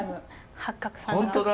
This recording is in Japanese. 八角さんが。